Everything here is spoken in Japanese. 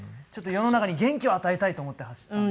世の中に元気を与えたいと思って走ったんで。